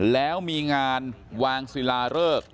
แล้วมีงานวางศิลาเริก